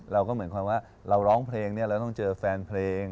เราก็เหมือนความว่าเราร้องเพลงเนี่ยเราต้องเจอแฟนเพลง